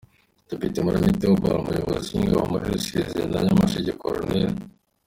Depite Mporanyi Theobald, Umuyobozi w’Ingabo muri Rusizi na Nyamasheke Col.